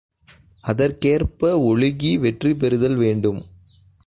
அதற்கேற்ப ஒழுகி வெற்றி பெறுதல் வேண்டும்.